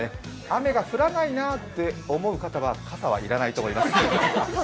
雨が降らないなと思う方は傘は要らないと思います。